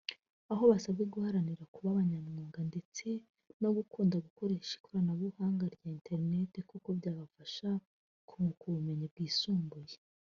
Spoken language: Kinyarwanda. aho basabwe guharanira kuba abanyamwuga ndetse no gukunda gukoresha ikoranabuhanga rya internet kuko byabafasha kunguka ubumenyi bwisumbuye